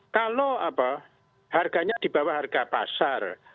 kalau harganya di bawah harga pasar